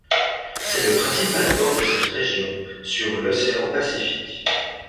C'est le principal port de cette région, sur l'océan Pacifique.